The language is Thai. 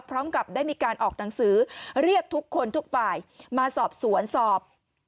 พร้อมกับได้มีการออกหนังสือเรียกทุกคนทุกฝ่ายมาสอบสวนสอบ